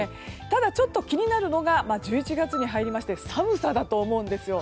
ただ、ちょっと気になるのが１１月に入りまして寒さだと思います。